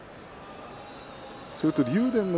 それと竜電の